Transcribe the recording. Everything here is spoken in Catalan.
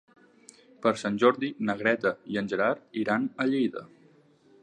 Per Sant Jordi na Greta i en Gerard iran a Lleida.